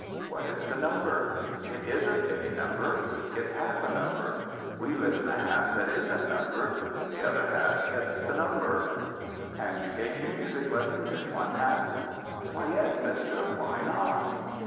"What is the number?" "It isn't any number. It's half a number. We live in the half that isn't numbered; the other half gets the number." "And you take your music lessons in one half?" "Why, yes, Mister. Why not?"